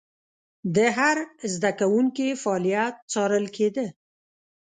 د هر زده کوونکي فعالیت څارل کېده.